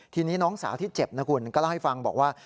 ทีนี้น้องสาวที่เจ็บนะคุณก็เล่าให้ฟังบอกว่า